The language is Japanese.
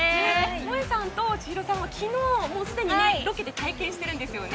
萌さんとちひろさんは昨日、もうすでにロケで体験してるんですよね。